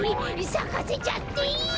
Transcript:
さかせちゃっていい！？